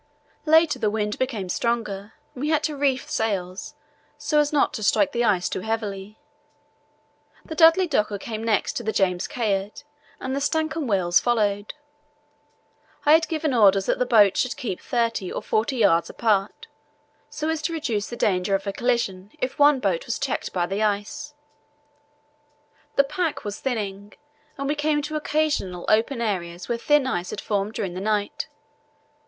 Later the wind became stronger and we had to reef sails, so as not to strike the ice too heavily. The Dudley Docker came next to the James Caird and the Stancomb Wills followed. I had given order that the boats should keep 30 or 40 yds. apart, so as to reduce the danger of a collision if one boat was checked by the ice. The pack was thinning, and we came to occasional open areas where thin ice had formed during the night.